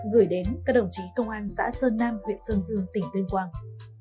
gửi đến các đồng chí công an xã sơn nam huyện sơn dương tỉnh tuyên quang